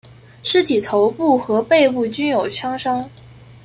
尸体头部和背部均有枪伤。